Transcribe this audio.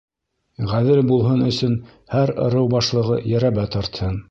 Ғәҙел булһын өсөн һәр ырыу башлығы йәрәбә тартһын.